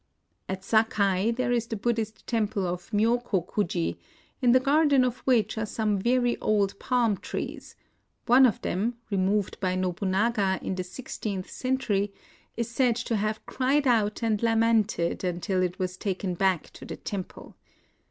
At Sakai there is the Buddhist tem ple of Myokokuji, in the garden of which are some very old palm trees ;— one of them, re moved by Nobunaga in the sixteenth century, is said to have cried out and lamented until it was taken back to the temple.